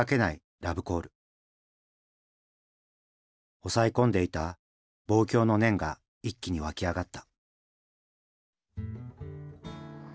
押さえ込んでいた望郷の念が一気に湧き上がった。